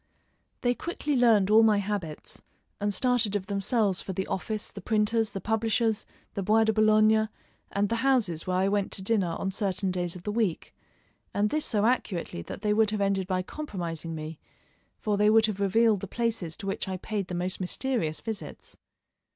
They quickly learned all my habits and started of themselves for the office, the printer's, the publishers', the Bois de Boulogne, and the houses where I went to dinner on certain days of the week, and this so accurately that they would have ended by compromising me, for they would have revealed the places to which I paid the most mysterious visits.